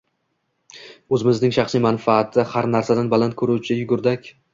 o’zining shaxsiy manfaatini har narsadan baland ko’ruvchi yugurdak v